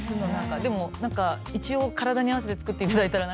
でも一応体に合わせて作っていただいたら。